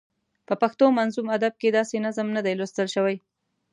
په پښتو منظوم ادب کې داسې نظم نه دی لوستل شوی.